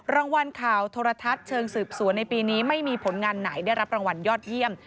รางวัลข่าวโทรทัศน์เชิงสืบสวนในปีนี้ไม่มีผลงานไหนได้รับรางวัลยอดเยี่ยม